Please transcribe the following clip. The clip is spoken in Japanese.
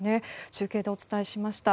中継でお伝えしました。